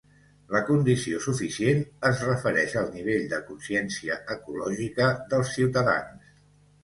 La condició suficient es refereix al nivell de consciència ecològica dels ciutadans.